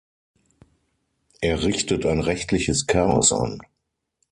Er richtet ein rechtliches Chaos an.